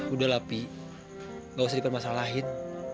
udah lah pi gak usah dipermasalahin